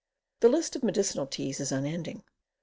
The list of medicinal teas is unending.